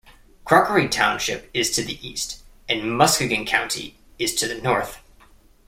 Crockery Township is to the east and Muskegon County is to the north.